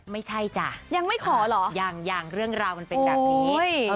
ไม่ใช่จ้ะยังไม่ขอเหรอยังเรื่องราวมันเป็นแบบนี้